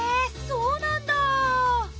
そうなんだ！